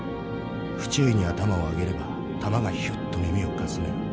不注意に頭を上げれば弾がヒュッと耳をかすめる。